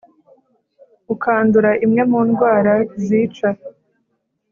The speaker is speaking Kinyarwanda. ukandura imwe mu ndwara zica